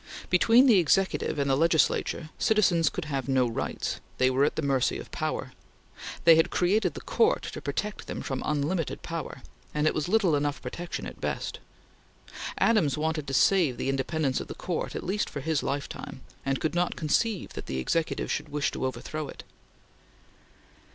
Between the Executive and the Legislature, citizens could have no Rights; they were at the mercy of Power. They had created the Court to protect them from unlimited Power, and it was little enough protection at best. Adams wanted to save the independence of the Court at least for his lifetime, and could not conceive that the Executive should wish to overthrow it.